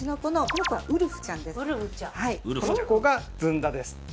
この子がずんだです。